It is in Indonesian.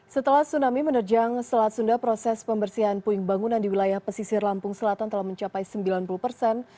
setelah tsunami menerjang selat sunda proses pembersihan puing bangunan di wilayah pesisir lampung selatan telah mencapai sembilan puluh persen